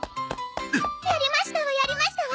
やりましたわやりましたわ！